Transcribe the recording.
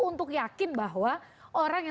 untuk yakin bahwa orang yang